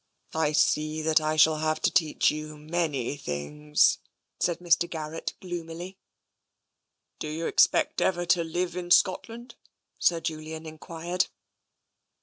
" I see that I shall have to teach you many things," said Mr. Garrett gloomily. " Do you expect ever to live in Scotland ?" Sir Julian enquired.